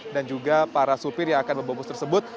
dan juga para supir yang akan membawa bus tersebut